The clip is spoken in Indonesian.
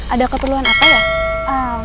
ada keperluan apa ya